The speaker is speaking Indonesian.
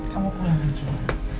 kamu pulang aja ya